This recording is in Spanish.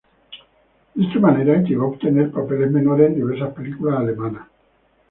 De esta manera, llegó a obtener papeles menores en diversas películas alemanas.